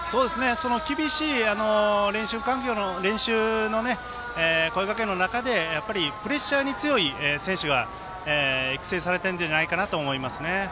厳しい練習の声かけの中でやっぱりプレッシャーに強い選手が育成されたんじゃないかなと思いますね。